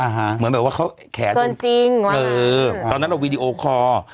เหมือนแบบว่าเขาแขนตอนนั้นเราวิดีโอคอร์